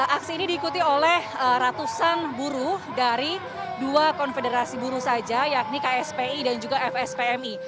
aksi ini diikuti oleh ratusan buruh dari dua konfederasi buruh saja yakni kspi dan juga fspmi